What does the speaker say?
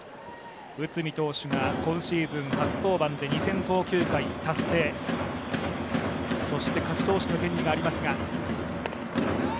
内海投手が今シーズン初登板で２０００投球回達成、そして勝ち投手の権利がありますが。